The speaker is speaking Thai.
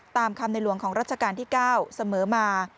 ตามคำในหลวงของรัชกาลที่๙เสมอมา